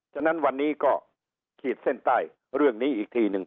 ฉะนั้นวันนี้ก็ขีดเส้นใต้เรื่องนี้อีกทีหนึ่ง